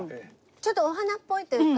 ちょっとお花っぽいというか。